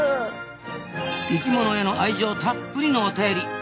生きものへの愛情たっぷりのお便り。